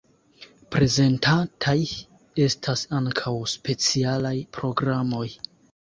Prezentataj estas ankaŭ specialaj programoj.